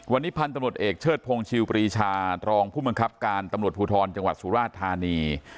วันนี้พรรณตำรวจเอกเชิดพงชิวประอิษยาตรองผู้บังคับการตมรวจภูทรจังหวัดสุราธารณี